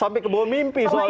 sampai kebawa mimpi soalnya nih